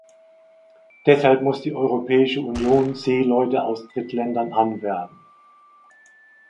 Deshalb muss die Europäische Union Seeleute aus Drittländern anwerben.